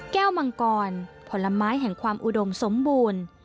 มังกรผลไม้แห่งความอุดมสมบูรณ์